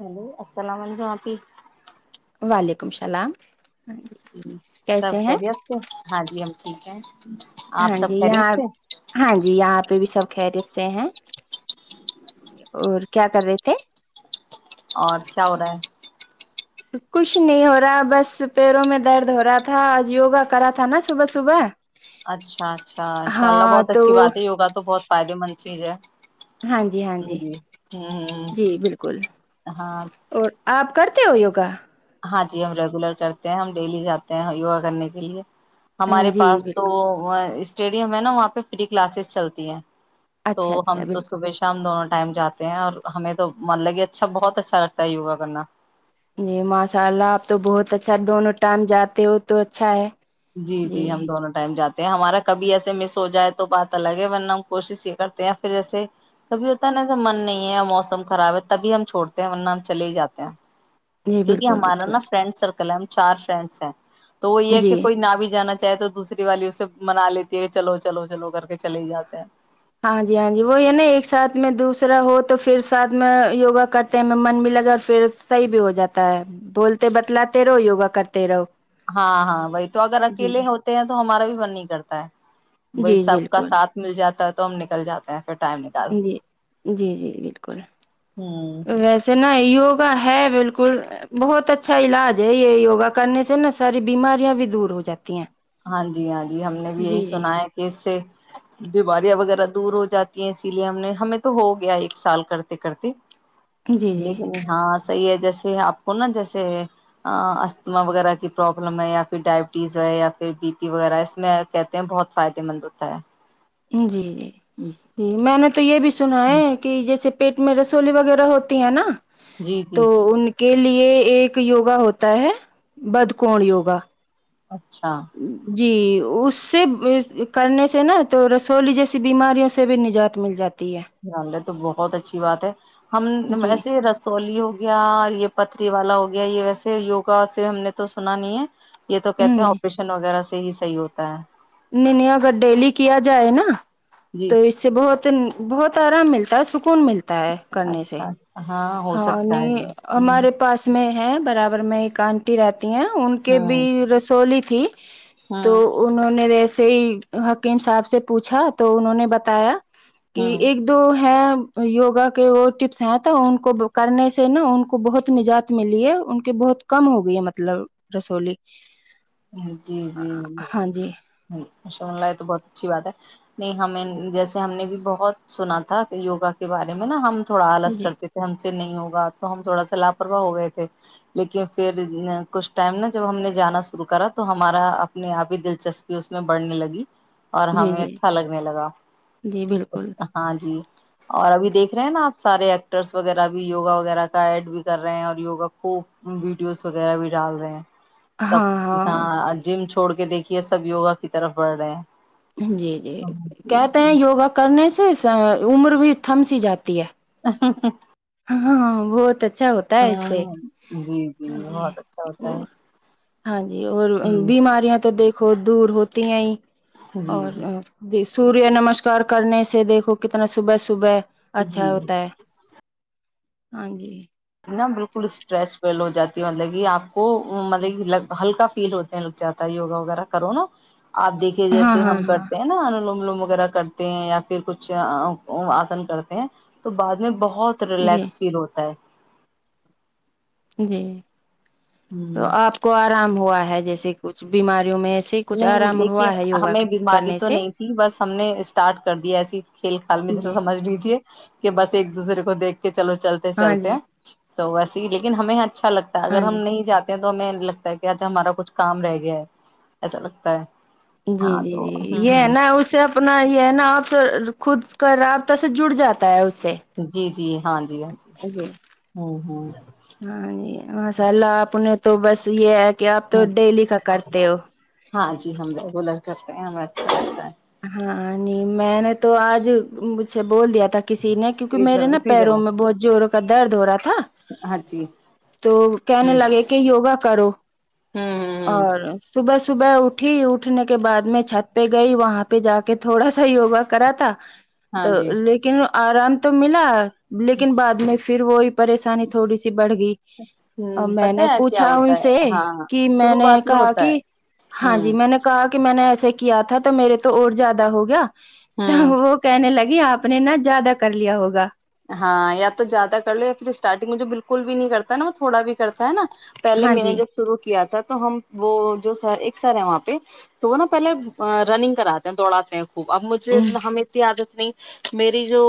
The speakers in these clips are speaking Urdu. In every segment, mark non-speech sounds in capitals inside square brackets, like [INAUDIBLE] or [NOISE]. ہلو السلام علیکم آپ ہی وعلیکم السلام ج سب کیسے ہیں خیریت سے ہاں جی ہم ٹھیک ہیں آپ ہاں سب جی خیریت یہاں سے ہاں جی یہاں پہ بھی سب خریت سے ہیں اور کیا کر رہے تھے اور کیا ہو رہا ہے کچھ نہیں ہو رہا بس پیروں میں درد ہو رہا تھا آج یوگا کرا تھا نا صبح صبح اچھا اچھا ان شاء اللہ ہاں بہت تو اچھی بات ہے یوا تو بہت فائدے مند چیز ہے [UNINTELLIGIBLE] ہاں جی ہاں جی جی بالکل ہاں اور آپ کرتے ہو یوگا ہاں جی ہم ریگولر کرتے ہیں ہم ڈیلی جاتے ہیں یوگا کرنے کے لیے ہمارے جی پاس تو بالکل اسٹیڈیم ہے نا وہاں پہ فری کلاسز چلتی ہے تو اچھا اچھا ہم تو بالکل صبح شام دونوں ٹائم جاتے اور ہمیں تو مان لگیے اچھا بہت اچھا لگتا ہے یوا کرنا جی ماشاء اللہ آپ تو بہت اچھا دونوں ٹائم جاتے ہو تو اچھا ہے جی جی ہم دونوں ٹائم جاتے ہمارا کبھی ایسے مس ہو جائے تو بات الگ ہے ورنہ ہم کوشش یہ کرتے ہیں پھر ایسے کبھی ہوتا ہے ن ایسا من نہیں ہے موسم خراب ہے تبھی ہم چھوڑتے ہیں ورنہ ہم چل ہی جاتے ہیں جی کیونکہ بالکل ہمارا بالکل نا فرینڈ سرکل چار فرینس ہیں تو وہ یہ ہے کہ جی [INAUDIBLE] بھی جانا چاہے تو دوسری والی اسے منا لیتی ہے کہ چلو چلو چلو کر کے چلے ہی جات ہیں ہاں جی ہاں جی وہ یہ نا ایک ساتھ میں دوسرا ہو تو پھر ساتھ میں یوگا کرتے میں من بھی لگا اور پھر صحیح بھی ہو جاتا ہے بولتے بتلاتے رہو یوگا کرتے رہو ہاں ہاں وہی تو اگر جی اکیلے جی ہوتے ہیں تو ہمارا بھی من نہیں کرتا ہے وہی جی سب کا بالکل ساتھ مل جاتا ہے تو ہم نکل جاتے ہیں پھر ٹائم نکال کے جی جی جی بالکل ہوں ویسے نہ یوگا ہے بالکل بہت اچھا علاج ہے یہ یوگا کرنے سے نا ساری بیماریاں بھی دور ہو جاتی ہیں ہاں جی ہاں جی ہم نے بھی یہی جی جی سنا ہے کہ اس سے بیماریاں وغیرہ دور ہو جاتی ہیں اسی لیے ہم نے ہمیں تو ہو گیا ایک سال کرتے کرتے جی جی لیکن ہاں تو یہ جیسے آپ کو نا جیسے آتھما وغیرہ کی پروابلم ہے یا پھر ڈائبٹیز ہے یا پھر بی پی وغیرہ اس میں کہتے ہیں بہت فائدے مند ہوتا ہے جی جی جی میں نے تو یہ بھی سنا ہے کہ جیسے [INAUDIBLE] پیٹ میں رسولی وغیرہ ہوتی ہے نا جی جی تو ان کے لیے ایک یوگا ہوتا ہے بد کون یوگا اچھا جی اس سے کرنے سے نا تو رسولی جیسی بیماریوں سے بھی نجات مل جاتی ہے ج [INAUDIBLE] تو بہت اچھی بات ہے ہم جی ویسے رسولی ہو گیا یہ پتری والا ہو گیا گیا یہ ویسے یوگا سے ہم نے تو سنا نہیں ہے یہ تو کہتے ہیں آپریشن وغیرہ سے سے ہی صحیح ہوتا ہے [INAUDIBLE] ن نے اگر ڈیلی کیا جائے نا جی تو اس سے بہت بہت تارا ملتا ہے سک سکون ملتا ہے کرنے سے اچھا ہو ہاں سکتا ہے نہیں جی ہمارے پاس میں ہے برابر میں ایک آنٹی رہتی ہیں ان کے بھی ہ رسولی ج [INAUDIBLE] تو ہ انہوں نےیس سے حکیم صاحب سے پوچھا تو انہوں نے بتایا کہ ہ ایک ہ دو ہیں یوگا کے وہ ٹپس ہیں تو ان کو کرنے سے نا ان کو بہت نجات ملی ہے ان کے بہت کم ہو گئی ہے مطلب رسولی جی جی ہاں جی ہ سن ل ہے تو بہت اچھی بات ہے نہیں ہمیں جیسے ہم نے بھی بہت سنا تھا یوگا کے بارے میں نا ہم تھوڑا آلس جی کرتے تھے ہم سے نہیں ہوگا تو ہم تھوڑا سا لاپرواہ ہو گئے تھے لیکن پھر کچھ ٹائم نا جب ہم نے جانا شرو کرا تو ہمارا اپنے آپ ہی دلچسپی اس میں بڑھنے لگی اور جی ہمیں جی اچھا لگنے لگا جی بالکل ہاں جی اور ابھی دیکھ رہے ہیں نا آپ سارے ایکٹرس وغیرہ بھی یوگا وغیرہ کا ایڈ بھی کر رہے ہیں اور یوگا کو ویڈیوز وغیرہ بھی ڈال رہے ہیں ہاں ت ہاں جم [INAUDIBLE] چھڑ کے دیکھیے سب یوگا کی طرف بڑھ رہے ہیں جی جی ہاں جی کہتے جی ہیں یوگا کرنے سے اس عمر بھی تھم سی جاتی ہے ہ [INAUDIBLE] ہاں بہت اچھا اچھا ہوتا ہے اس سے جی ہاں جی بہت اچھا ہوتا ہے ہاں جی اور ہ بیماریاں تو دیکھ کھود دور ہوتی ہیں ہی جی اور جی دیس [INAUDIBLE] سوریہ نمسکار کرنے سے دیکھو کتنا صبح صبح اچھا جی ہوتا ہے ہاں جی نا بالکل اسٹریس فل ہو جاتی ہے مطلب کہ آپ کو مطلب ہلکا فیل ہوتے ہیں لگ جاتا ہے یوگا وغیرہ کرو نا آپ دیکھیے ہاں جیسے ہاں ہم ہاں کرتے ہیں نا ان لوم لوم وغیرہ کرتے ہیں یا پھر کچھ آسن کرتے ہیں تو بعد میں بہت بہت جی ریلیکس فیل ہوتا ہے جی تو ہ آپ کو آرام ہوا ہے جیسے کچھ بیماری نہیں دیکھیے ہمیں بیماری کرنے تو سے نہیں تھی بس ہم نے اسٹارٹ کر دیا ایسی کھیل کل میں جیسے جی سمجھ لیجیے کہ بس ایک دوسرے کو دیکھ کہ چلو چلتے ہاں چلتے جی ہیں تو ویسے ہی لیکن ہمیں یہاں اچھا لگتا ہے ہاں اگر ہم جی نہیں جاتے تو ہمیں لگتا ہے کہ آج ہمارا کچھ کام رہ گیا ہے ایسا لگتا ہے [INAUDIBLE] جی ہاں جی تو جی ہوں یہ ہے ہوں نا اسے اپنا یہ ہے نا آپ خود رابط سے جڑ جاتا ہے اس سے جی جی ہاں ج [INAUDIBLE] جی ج جی ہوں ہوں مسالءلہ اپنے تو بس یہ کیا آپ تو ہوں ڈیلی کا کرتے ہو ہاں جی ہم ریگولر کرتے اچھا کرتا ہے [UNINTELLIGIBLE] ہاں نہیں میں نے تو آج مجھے بول دیا تھا کسی نے کیک فریج میں میرے نا فریزر پیروں میں بہت جوو درد ہو رہا تھا تھا ہاں جی تو کہنے ہوں ہوں لگے کہ یوگا کرو [INAUDIBLE] ہوں اور صبح [INAUDIBLE] صبح اٹھی اٹھنے کے بعد میں چھت پہ گئی وہاں پہ پہ جا کے تھوڑا سا یوگا کرا تھا تو ہاں جی لیکن آرام تو ملا لیکن بعد میں پھر وہ [INAUDIBLE] پریشانی تھوڑی سی بڑھ گئی اور ہوں میں نے پتا ہے کیا پوچھا ان ہوتا ہے سے ہاں کہ میں نے شروعات میں کہا ہوتا ہے کہ ہاں جی ہوں میں نے کہا کہ میں نے ایسے کیا تھا تو میرے زیاد ہو گیا تو ہوں وہ کہنے لگے آپ نے نہا زیادہ کر لیا ہوگا ہاں یا تو زیادہ کر لو یا پھر اسٹارٹنگ مجے بالکل بھی نہیں کرتا ہے نا وہ تھوڑا بھی کرتا ہے نا پہلے ہاں میں نے جی جب شروع کیا تھا تو ہم وہ جو سر ایک سر ہے وہاں پہ تو وہ نا پہلے رننگ کراتے ہیں دوڑاتے ہیں اب مجھے ہمیں اتنی عادت نہیں میری جو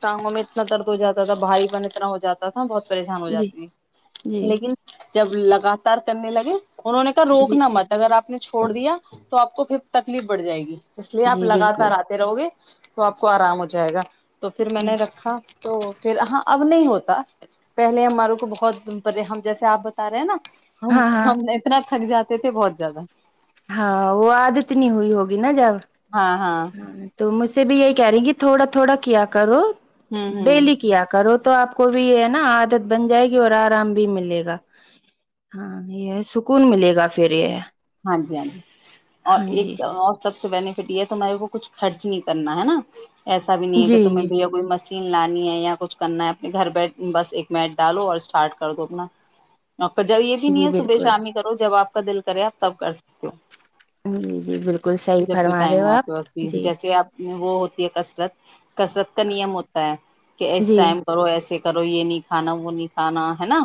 تاگو میں درد ہو جاتا تھا بھائی بن اتنا ہو جاتا تھا بہت پریشان ہو جی جاتی ہیں جی لیکن جب لگاتار کرنے لگے انہوں نے کہ جی روکنا مت اگر آپ آپ نے چھوڑ دیا تو آپ کو پھر تکلیف بڑھ جائے گی اس لیے آپ جی بالکل لگاتار آتے رہو گے تو آپ کو آرام ہو جائے گا تو پھر میں جی نے رکھا تو پھر ہاں اب نہیں ہوتا پہلے ہماروں کو بہت ہم جیسے آپ بتا رہے ہیں نا ہم ہاں ہاں ہم اتنا تھک جاتا تھے بہت زیادہ ہاں وہ آد اتنی ہوئی ہوگی نا جب ہاں ہاں تو مجھ سے بھی یہی کہہ رہی ہیں کہ تھوڑا تھوڑا کیا کرو ہوں ہوں ڈیلی کیا کرو تو آپ کو بھی یہ ہے نا عادت بن جائے گی اور آرام بھی ملے گا ہاں یہ سکون ملے گا پھر یہ ہاں جی ہاں جی اور ہاں ایک جی اور سب سے بف پٹییا تو میرے کو کچھ خرچ نہیں کرنا ہے نا ایسا بھی نہیں ہے کہ جی تمہیں جی بھیا کوئی مشین لانی ہے یا کچ کچھ کرنا ہے اپنے گھر بیٹھ بس ایک میٹ ڈالو اور اسٹارٹ کر دو اپنا جب یہ بھی نہیں جی ہے صبح بالکل شام ہی کرو جب آپ بدل کریا تب کر سکتی ہو جی جی بالکل صحی جب بھی فرما ٹائم رہے ہو آپ کے وقت جی جیسے آپ وہ ہوتی ہے کسرت کسرت کا نیم ہوتا ہے کہ اس جی ٹائم کرو ایسے کرو یہ نہیں کھانا وہ نہیں کھانا ہے نا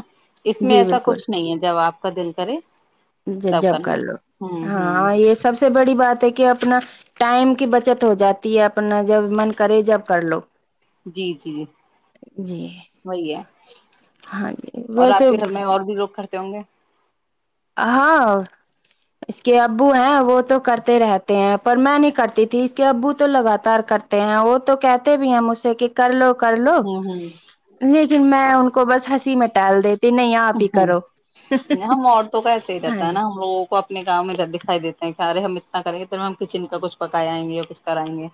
اس میں جی ایسا بالکل کچھ نہیں ہے جب آپ کا دل کرے تب [UNINTELLIGIBLE] کر لو ہوں ہوں ہاں یہ سب سب سے بڑی بات ہے کہ اپنا ٹائم کی بچت ہو جاتی ہے اپنا جب من کرے جب کر لو جی جی جی وہی ہے ہاں جی اور آپ ویسے کے گھر میں اور بھی لوگ کرتے ہوں گے ہاں اس کے ابو ہیں وہ تو کرتے رہتے ہیں پر میں نہیں کرتی تھی اس کے ابو تو لگاتار کرتے ہیں وہ تو کہتے بھی ہیں مجھ سے کہ کر لوگ کر لو ہوں ہوں ج پھر میں ان کو بس ہنسی م میںٹال دیتی ت نہیں آپ ہی کرو تو کیسے ہی ہاں رہتا ہے نا جی ہم لوگوں کو اپنے گاؤں میں دکھائی دیتا ہیں ے ہم اتنا کریں گے تو ہم کچن کا کچھ پکایائیں گے یا کچھ کرائیں گے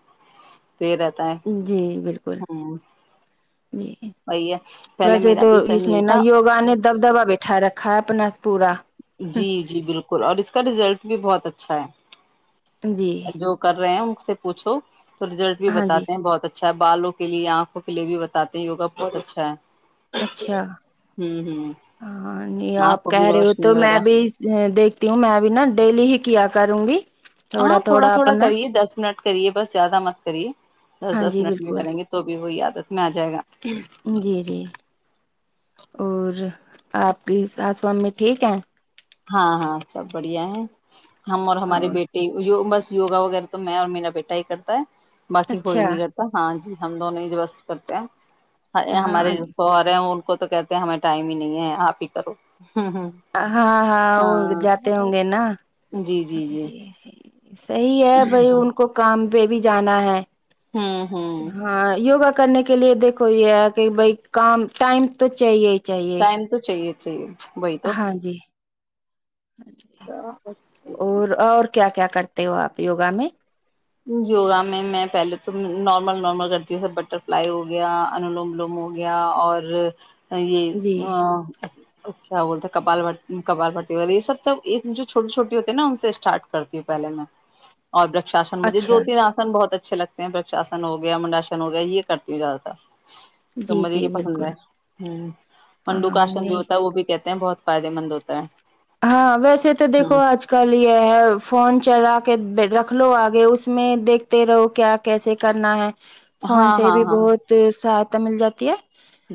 تو یہ رہتا ہے جی بالکل ہوں جی وہی ہے پہلے ویسے میرا تو بھی اس سیم سنے یہی نا تھا یوگا نے دب دب ا بیٹھا رکھا اپنا پورا جی جی بالکل اور اس کا ریزلٹ بھی بہت اچھا جی ہے جو کر رہے ہیں سے پوچھو تو ریزل بھی ہاں جی باتے بہت اچھا اچھا ہے بالوں کے لیے آنکھوں کے لیے بھی بتاتے ہیں وگا بہت اچھا ہے اچھا ہوں ہوں ہاں نہیں آپ آنکھوں کی کہہ رہے ہو روشنی تو میں وغیرہ بھی دیکھتی ہوں میں ا بھی نا ڈیلی ہی کیا کروں گی ہاں تھوڑا تھوڑا کریے دس منٹ کریے بس زیادہ مت کریے دس ہاں دس جی منٹ میں بالکل کریں گے تو بھی وہ یاد آتا ہے میں آ جائے گا جی جی اور آپ کی سس وام میں ٹھیک ہیں ہاں ہاں سب بڑھیا ہے ہم اور ہمارے بیٹے بس یوگا وغیرہ تو میں اور میرا بیٹا ہی کرتا ہے باقی کوئی اچھا نہیں کرتا ہاں جی ہم دونوں ہی ج بس کرتے ہیں ہاں ہمارے جو سوہرے ہیں وہ کو تو کہتے ہیں ہمیں ٹائم ہی نہیں ہے آپ ہی کرو ہوں ہوں ہاں ہاں وہ جاتے ہوں گے نا جی صحیح ہے بائی ان کو کام بی بی جان بھی ہے ہوں ہوں ہاں یوگا کرنے کے لیے دیکھو یہ کہ بھائی کام ٹائم تو چاہیے چاہیے ٹائم تو چاہیے تھا چیے بئی تو ہاں جی تو اور اور کیا کیا کرتے ہو آپ یوگا میں یوگا میں میں پہلے تو نارمل نارمل کرتی ہوں سب بٹر فلائی ہو گیا انولوملوم ہو گیا اور یہ [INAUDIBLE] جی اچ کیا بولتاال کال بتی یہ سب سب جو چھوٹی چوٹی ہوتی ہے نا ان سے اسٹارٹ کرتی ہوں پہے میں اور مجھے اچھا دو تین اچھا آسن بہت اچھے لگتے پرشاسن ہو گیا منڈاشن ہو گیا یہ کرتی ہوں زیاد تر تو جی مجھے یہ جی پسند بالکل ہے ہ منڈو ہاں کاشم جو نہیں ہوتا ہے وہ بھی کہتے ہیں بہت فائدے مند ہوتا ہے ہاں ویسے تو دیکھو ہ آج کل یہ ہے فون چلا کے رکھ لو آگے اس میں دیکھتے رہو کیا کیسے کرنا ہے فون ہاں سے ہاں بھی ہاں بہت ساتھ مل جاتی ہے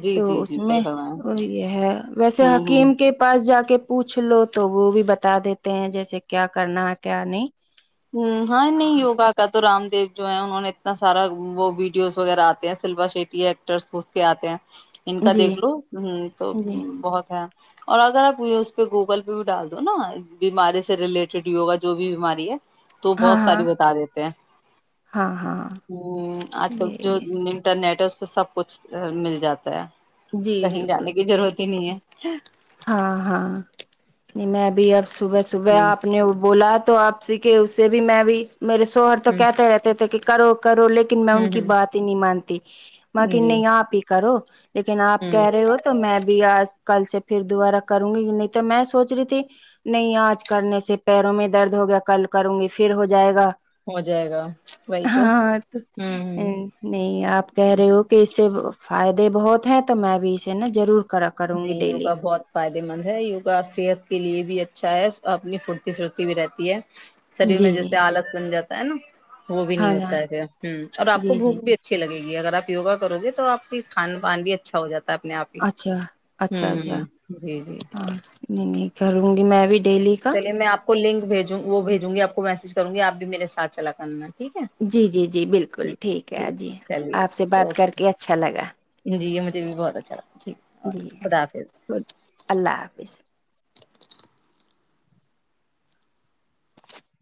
جی تو جی اس جی میں صحیح فرمایا یہ ہے ویسے ہوں ہوں حکیم کے پاس جا کے [INAUDIBLE] پچھ لو تو وہ بھی بتا دیتے ہیں جیسے کیا کرنا ہے کیا نہیں ہ ہاں نہیں یگا کا تو رام دی جو ہیں انہوں نے اتنا سارا وہ ویڈیوز وغیرہ آتے ہیں سلوا شیٹی ایکٹرس اس کے آتے ہیں ان کا جی دیکھ لو ہ تو جی بہت ہے اور اگر آپ یہ اس پہ گوگل پہ بھی ڈال دو نا بیماری سے ریلیٹڈ یوگا جو بھی بیماری ہے تو ہاں بہت ساری ہاں بتا دیتے ہیں ہاں ہاں ہ آج کل یہ جو یہ انٹرنیٹ ہے تو سب کچھ مل جاتا ہے جی کہیں بالکل جانے کی بالکل ضرورت ہی نہیں ہاں ہاں نہیں میں بھی ار صبح ہے صبح آپ نے وہ بولا تو آپ سیکھے اس سے بھی میں بھی میرے سوہر تو ہوں کہتے رہتے تھے کہ کرو کرو لیکن میں ان ہ کی ہ ہ بات ہی نہیں مانتی م کہ جی نہیں آپ ہی کرو لیکن آپ ہ کہہ رہے ہو تو میں بھی ر آج کل سے پھر دوبارہ کروں گی نہیں تو میں سوچ رہی تھی نہیں آج کرنے سے پیروں میں درد ہو گیا کل کروں گی پھر ہو جائے گا ہو جائے گا وہی تو ہاں تو ہ ا ہ نہیں آپ کہہ رہے ہو کہ اس سے فائدے بہت ایں تو میں بھی اسے نا ضرور کرا کروں گی نہیں ڈیلی یوگا بہت فائدے مند ہے یوگا صحت کے لیے بھی اچا اچھا ہے اور اپنی پھرتی سھرتی بھی رہتی ہے شریر میں جی جی جیسے آالت بن جاتا س ن وہ بھی ہاں نہیں ہاں ہوتا ہے پھر ہ اور آپ کو جی جی بھوک جی بھی اچھی لگے گی اگر آپ وگا کرو گے تو آپ کی کھان پان بھی اچھا ہو جاتا آپ نے آی اچھا اچھا اچھا ہاں۔۔ نہیں کروں گی میں بھی۔۔ ڈیلی کا چلیے میں آپ کو لنک بھیجوں وہ بھیج۔۔ ج گی آپ کو میسج کروں گی آ بھی میرے سات چلا کر میں۔۔ جی جی جی بالکل ٹھیک ہے جی چلیے آپ سے چلیے بات کر کے اوکے اچھا لگا جی یہ مجھے بھی بہت اچھا لگا ٹھیک جی خدا حافظ خ اللہ حافظ۔